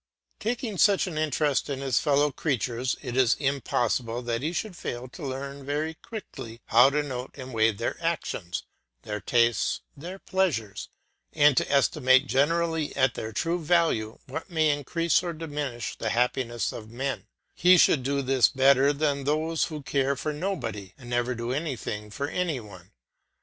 Taking such an interest in his fellow creatures, it is impossible that he should fail to learn very quickly how to note and weigh their actions, their tastes, their pleasures, and to estimate generally at their true value what may increase or diminish the happiness of men; he should do this better than those who care for nobody and never do anything for any one.